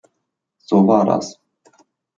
So war das.